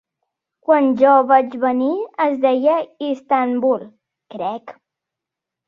Quan jo vaig venir es deia Istanbul, crec.